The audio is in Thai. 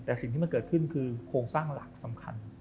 แต่สิ่งที่มันเกิดขึ้นคือโครงสร้างหลักสำคัญ